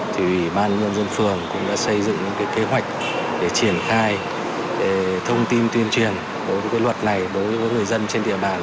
thì ủy ban nhân dân phường cũng đã xây dựng những cái kế hoạch để triển khai thông tin tuyên truyền đối với cái luật này đối với người dân trên địa bàn